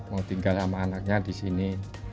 mau tinggal sama anaknya di sini